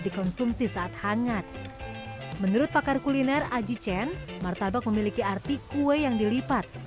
dikonsumsi saat hangat menurut pakar kuliner aji chen martabak memiliki arti kue yang dilipat